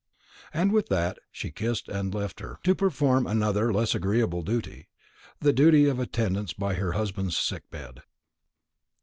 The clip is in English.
And with that she kissed and left her, to perform another and less agreeable duty the duty of attendance by her husband's sick bed.